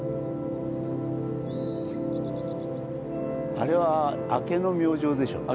あれは明けの明星でしょうね。